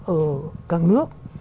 ở các nước